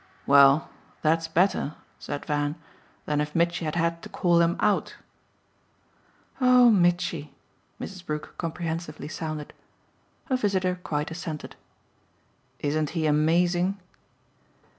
"Well, that's better," said Van, "than if Mitchy had had to call him out." "Oh Mitchy !" Mrs. Brook comprehensively sounded. Her visitor quite assented. "Isn't he amazing?"